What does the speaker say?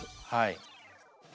はい。